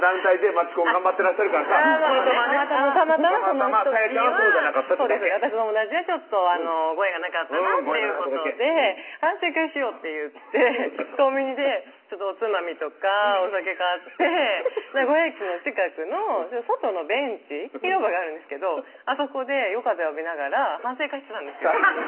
街コン頑張ってらっしゃるからさたまたまね沙也ちゃんはそうじゃなかったってだけ私と友達はちょっとご縁がなかったなっていうことで「反省会をしよう」って言ってコンビニでおつまみとかお酒買って名古屋駅の近くの外のベンチ広場があるんですけどあそこで夜風を浴びながら反省会してたんですよ